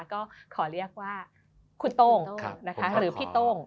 ก็ขอเรียกว่าคุณโต้งนะคะหรือพี่โต้ง